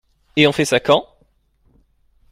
Et on fait ça quand?